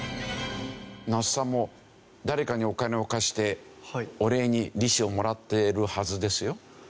那須さんも誰かにお金を貸してお礼に利子をもらってるはずですよ。